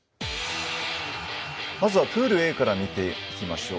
まずはプールＡから見ていきましょう。